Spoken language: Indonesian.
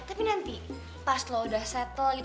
tapi nanti pas lo udah settle gitu